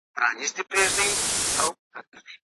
کارکوونکي د اضافي ساعتونو پرته هم ښه فعالیت کوي.